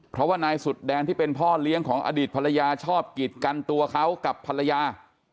เพราะว่านายสุดแดนที่เป็นพ่อเลี้ยงของอดีตภรรยาชอบกิจกันตัวเขากับภรรยา